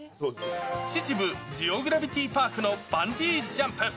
秩父ジオグラビティーパークのバンジージャンプ。